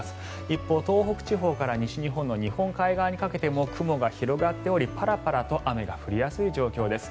一方、東北地方から西日本の日本海側にかけても雲が広がっておりパラパラと雨が降りやすい状況です。